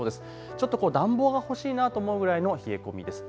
ちょっと暖房が欲しいなと思うぐらいの冷え込みです。